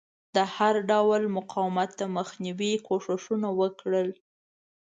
د هر ډول مقاومت د مخنیوي کوښښونه وکړل.